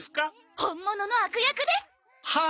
本物の悪役です！はあ？